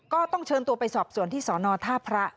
ก็ต้องเชิญตัวไปสอบส่วนที่สอนอท่าพระ